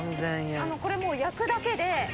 これもう焼くだけで。